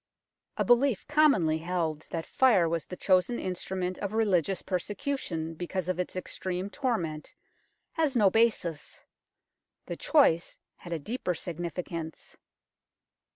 A belief commonly held that fire was the chosen instrument of religious persecution because of its extreme torment has no basis. The choice had a deeper significance.